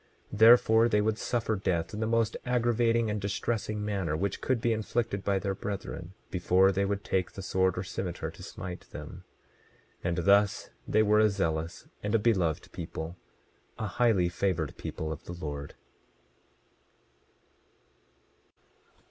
27:29 Therefore, they would suffer death in the most aggravating and distressing manner which could be inflicted by their brethren, before they would take the sword or cimeter to smite them. 27:30 And thus they were a zealous and beloved people, a highly favored people of the Lord.